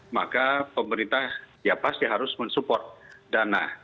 maka pemerintah ya pasti harus mensupport dana